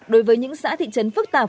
đối với những xã thị trấn phức tạp